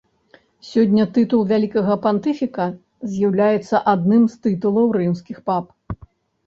Сёння тытул вялікага пантыфіка з'яўляецца адным з тытулаў рымскіх пап.